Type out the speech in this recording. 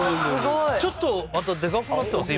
ちょっとまたデカくなってます？